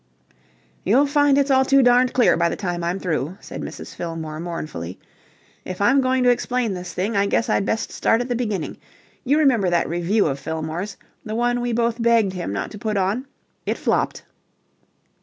"You'll find it's all too darned clear by the time I'm through," said Mrs. Fillmore mournfully. "If I'm going to explain this thing, I guess I'd best start at the beginning. You remember that revue of Fillmore's the one we both begged him not to put on. It flopped!"